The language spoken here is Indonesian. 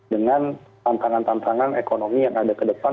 dengan tantangan tantangan ekonomi yang ada ke depan